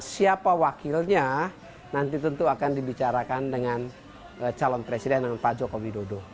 siapa wakilnya nanti tentu akan dibicarakan dengan calon presiden dengan pak jokowi dodo